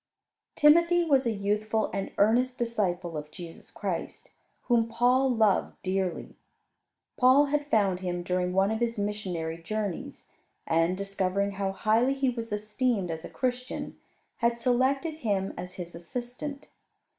Timothy was a youthful and earnest disciple of Jesus Christ, whom Paul loved dearly. Paul had found him during one of his missionary journeys, and, discovering how highly he was esteemed as a Christian, had selected him as his assistant.